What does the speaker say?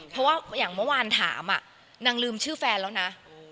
เพราะว่าอย่างเมื่อวานถามนางลืมชื่อแฟนแล้วนะ